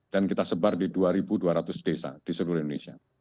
dan kita sebar di dua dua ratus desa di seluruh indonesia